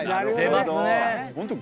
出ますね。